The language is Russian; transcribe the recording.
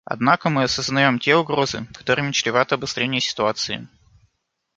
Однако мы осознаем те угрозы, которыми чревато обострение ситуации.